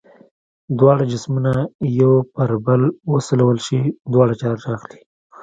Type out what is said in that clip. دواړه جسمونه یو پر بل وسولول شي دواړه چارج اخلي.